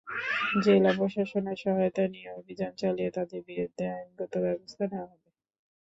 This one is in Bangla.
জেলা প্রশাসনের সহায়তা নিয়ে অভিযান চালিয়ে তাঁদের বিরুদ্ধে আইনগত ব্যবস্থা নেওয়া হবে।